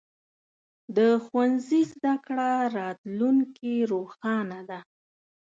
د ښوونځي زده کړه راتلونکې رڼا ده.